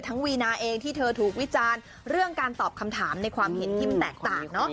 วีนาเองที่เธอถูกวิจารณ์เรื่องการตอบคำถามในความเห็นที่มันแตกต่างเนอะ